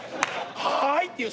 「はい！」っていう